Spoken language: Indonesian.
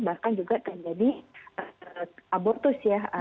bahkan juga terjadi abortus ya